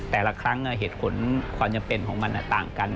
แต่ละครั้งเหตุผลความจำเป็นของมันต่างกัน